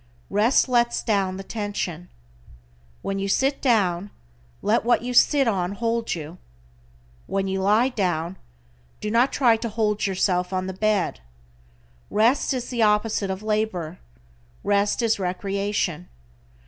Rest lets down the tension. When you sit down, let what you sit on hold you. When you lie down, do not try to hold yourself on the bed. Rest is the opposite of labor. Rest is recreation.